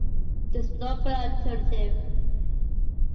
This no good alternative.